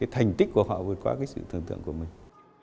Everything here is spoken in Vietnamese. thành tích của họ vượt qua sự tưởng tượng của mình